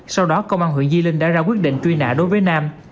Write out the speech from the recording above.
sau đó công an huyện di linh đã ra quyết định truy nã đối với nam